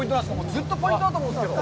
ずっとポイントだと思うんですけど。